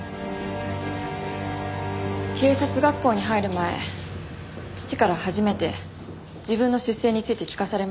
警察学校に入る前父から初めて自分の出生について聞かされました。